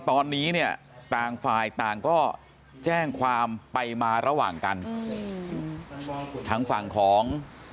ทั้งฝั่งของ